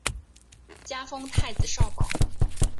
加封太子少保。